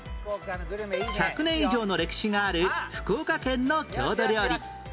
１００年以上の歴史がある福岡県の郷土料理